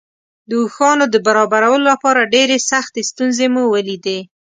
د اوښانو د برابرولو لپاره ډېرې سختې ستونزې مو ولیدې.